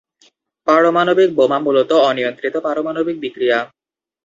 পারমাণবিক বোমা মূলত অনিয়ন্ত্রিত পারমাণবিক বিক্রিয়া।